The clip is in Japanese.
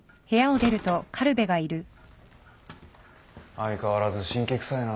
・相変わらず辛気くさいな。